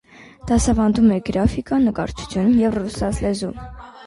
Դասավանդում է գրաֆիկա, նկարչություն և ռուսաց լեզու։